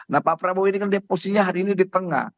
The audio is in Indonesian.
nah pak prabowo ini kan dia posisinya hari ini di tengah